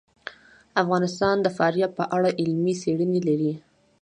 افغانستان د فاریاب په اړه علمي څېړنې لري.